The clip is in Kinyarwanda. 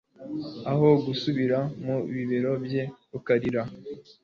aho gusubira mu bibero bye ukarira